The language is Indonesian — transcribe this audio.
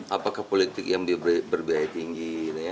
apakah politik yang berbiaya tinggi